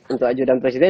untuk ajudan presiden